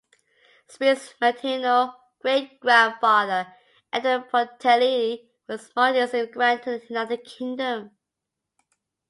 Spears's maternal great-grandfather, Edward Portelli, was a Maltese immigrant to the United Kingdom.